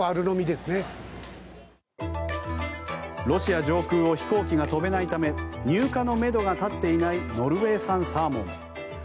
ロシア上空を飛行機が飛べないため入荷のめどが立っていないノルウェー産サーモン。